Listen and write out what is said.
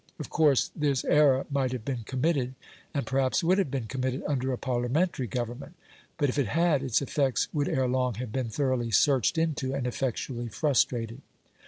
Of course, this error might have been committed, and perhaps would have been committed under a Parliamentary government. But if it had, its effects would ere long have been thoroughly searched into and effectually frustrated.